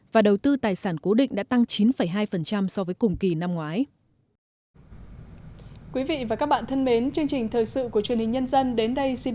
và đầu tư tài sản cố định đã tăng chín hai so với cùng kỳ năm ngoái